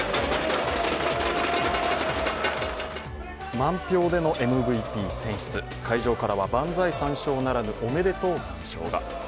満票でのＭＶＰ選出、会場からは万歳三唱ならぬ、おめでとう三唱が。